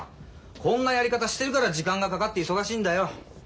こんなやり方してるから時間がかかって忙しいんだよ。